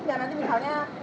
tidak ini lah ya